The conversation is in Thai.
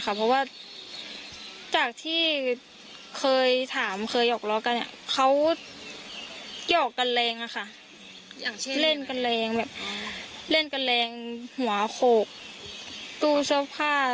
สิบเก้านาฬิกาที่ผ่านมานะครับที่บ้านของน้องปอนะครับทุกผู้ชมครับ